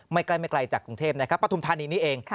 ไม่ไกลจากกรุงเทพฯในพระธุมธนินี้เอง